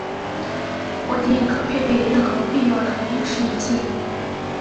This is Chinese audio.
火箭可配备任何必要的延迟引信。